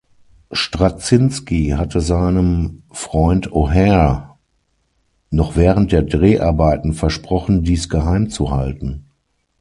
Straczynski hatte seinem Freund O’Hare noch während der Dreharbeiten versprochen, dies geheim zu halten.